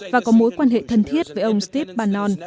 và có mối quan hệ thân thiết với ông steve bannon